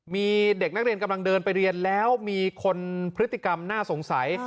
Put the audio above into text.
มีเด็กนักเรียนกำลังเดินไปเรียนแล้วมีคนพฤติกรรมน่าสงสัย